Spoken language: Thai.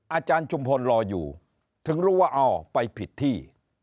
อาจารย์ชุมพลรออยู่ถึงรู้ว่าอ๋อไปผิดที่